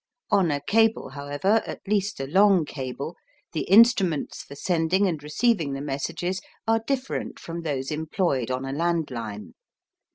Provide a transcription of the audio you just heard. On a cable, however, at least a long cable, the instruments for sending and receiving the messages are different from those employed on a land line.